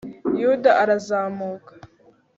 yuda arazamuka